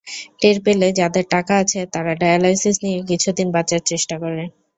টের পেলে যাদের টাকা আছে, তারা ডায়ালাইসিস নিয়ে কিছুদিন বাঁচার চেষ্টা করে।